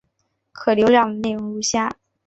可浏览的内容如下。